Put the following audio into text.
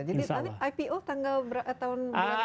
jadi nanti ipo tanggal berapa